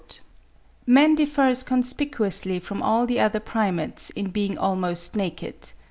Man differs conspicuously from all the other primates in being almost naked.